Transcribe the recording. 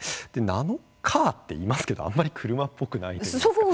ナノカーって言いますけどあんまり車っぽくないんですけど。